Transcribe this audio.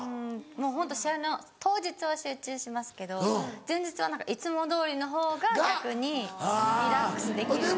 もうホント試合の当日は集中しますけど前日は何かいつもどおりの方が逆にリラックスできるって。